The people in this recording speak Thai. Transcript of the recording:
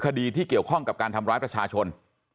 คดีที่เกี่ยวข้องกับการทำร้ายประชาชน